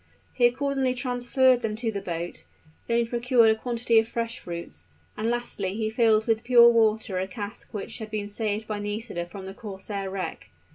He accordingly transferred them to the boat; then he procured a quantity of fresh fruits; and lastly he filled with pure water a cask which had been saved by Nisida from the corsair wreck.